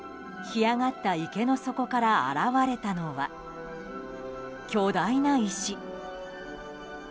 干上がった池の底から現れたのは巨大な石。